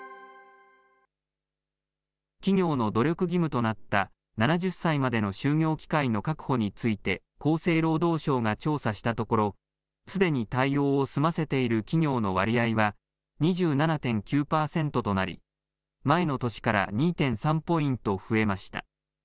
企業の努力義務となった７０歳までの就業機会の確保について、厚生労働省が調査したところ、すでに対応を済ませている企業の割合は２７．９％となり、前の年から２．３ポイント増えました。